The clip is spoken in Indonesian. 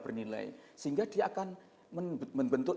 bernilai sehingga dia akan membentuk